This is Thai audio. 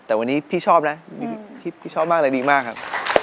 แต่วันนี้พี่ชอบนะพี่ชอบมากเลยดีมากครับ